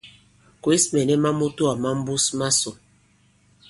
Kwěs mɛ̀nɛ ma mutoà ma mbus masò.